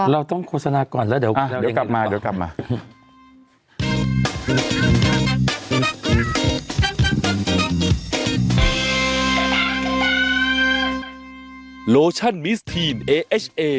เราต้องโฆษณาก่อนแล้วเดี๋ยวกลับมา